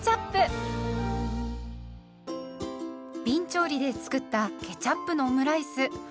びん調理で作ったケチャップのオムライス。